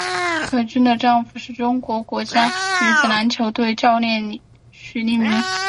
何军的丈夫是中国国家女子篮球队教练许利民。